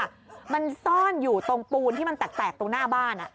มันซ่อนอยู่ตรงปูนที่มันแตกตรงหน้าบ้าน